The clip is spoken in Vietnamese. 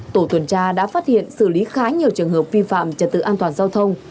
tổ tuần tra đã phát hiện xử lý khá nhiều trường hợp vi phạm trật tự an toàn giao thông